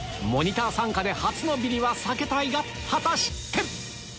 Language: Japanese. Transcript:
モニター参加で初のビリは避けたいが果たして？